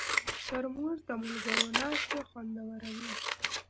ترموز د ملګرو ناستې خوندوروي.